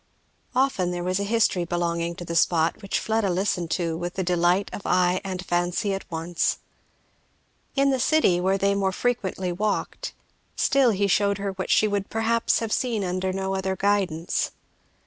Often there was a history belonging to the spot, which Fleda listened to with the delight of eye and fancy at once. In the city, where they more frequently walked, still he shewed her what she would perhaps have seen under no other guidance.